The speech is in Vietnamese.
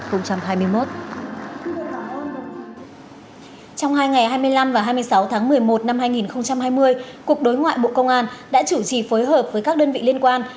trong hai ngày hai mươi năm và hai mươi sáu tháng một mươi một năm hai nghìn hai mươi cục đối ngoại bộ công an đã chủ trì phối hợp với các đơn vị liên quan